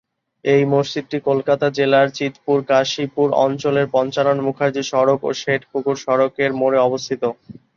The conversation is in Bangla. এই মসজিদটি কলকাতা জেলার চিৎপুর-কাশীপুর অঞ্চলের পঞ্চানন মুখার্জি সড়ক ও শেঠ পুকুর সড়কের মোড়ে অবস্থিত।